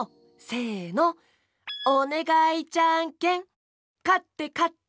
せの「おねがいじゃんけん」かってかってポン！